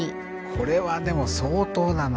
これはでも相当だな。